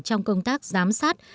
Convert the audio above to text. trong công tác giám sát